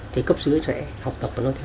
thì cấp dưới sẽ học tập và nói theo